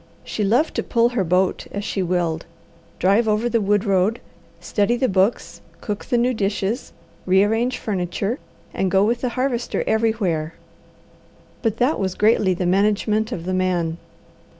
She loved to pull her boat as she willed, drive over the wood road, study the books, cook the new dishes, rearrange furniture, and go with the Harvester everywhere. But that was greatly the management of the man.